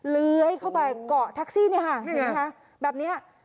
เลื้อยเข้าไปเกาะแท็กซี่เนี่ยค่ะแบบเนี่ย